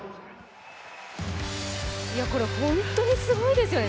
これ、本当にすごいですよね